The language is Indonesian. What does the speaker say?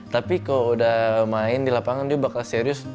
tapi kalau udah main di lapangan dia bakal serius